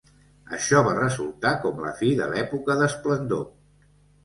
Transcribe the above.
Això va resultar com la fi de l'època d'esplendor.